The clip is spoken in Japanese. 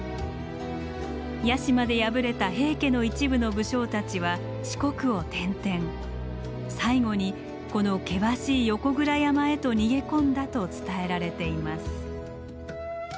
屋島で敗れた平家の一部の武将たちは四国を転々最後にこの険しい横倉山へと逃げ込んだと伝えられています。